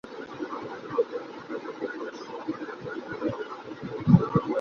তার পরিকল্পনা ছিলো মিনহাজ কন্ট্রোল টাওয়ারের অনুমতি পেয়ে গেলে তিনি তার কাছ থেকে বিমানটির নিয়ন্ত্রণ নেবেন।